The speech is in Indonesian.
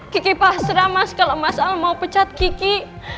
kiki pasrah mas kalau mas al mau pecat kiki